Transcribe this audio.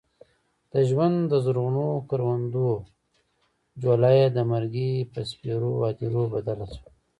د ژوند د زرغونو کروندو جوله یې د مرګي په سپېرو هديرو بدله شوه.